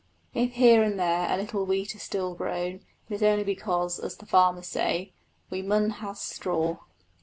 If here and there a little wheat is still grown, it is only because, as the farmers say, "We mun have straw."